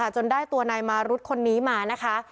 จนได้ตัวนายมารุธคนนี้มานะคะ